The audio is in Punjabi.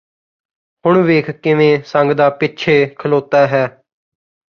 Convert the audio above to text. ਹੁਣ ਵੇਖ ਕਿਵੇਂ ਸੰਗਦਾ ਪਿੱਛੇ ਖਲੋਤਾ ਹੈ